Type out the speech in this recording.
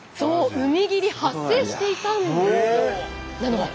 海霧発生していたんですよ。